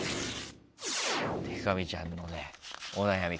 でか美ちゃんのお悩み